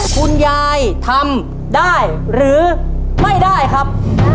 คุณยายทำได้หรือไม่ได้ครับ